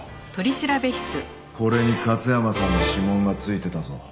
これに勝山さんの指紋が付いてたぞ。